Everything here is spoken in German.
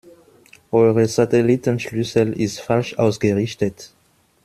Eure Satellitenschüssel ist falsch ausgerichtet.